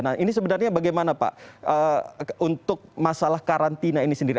nah ini sebenarnya bagaimana pak untuk masalah karantina ini sendiri